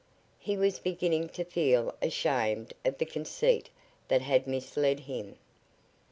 He was beginning to feel ashamed of the conceit that had misled him.